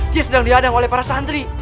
dia sedang diadang oleh para santri